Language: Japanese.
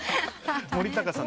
森高さん